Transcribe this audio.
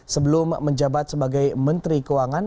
sebelum menjabat sebagai menteri keuangan